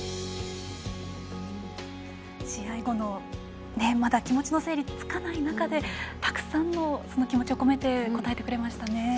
試合後のまだ気持ちの整理がつかない中でたくさんの気持ちを込めて答えてくれましたね。